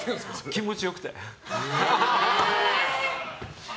気持ち良くて。